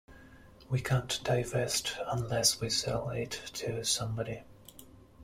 We can't divest unless we sell it to somebody.